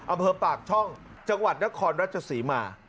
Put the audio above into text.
อำเภอปากช่องจังหวัดนครราชศรีมา